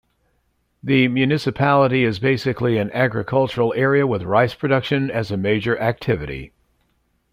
The municipality is basically an agricultural area with rice production as a major activity.